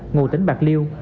ngồi tỉnh bạc liêu